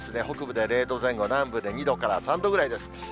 北部で０度前後、南部で２度から３度ぐらいです。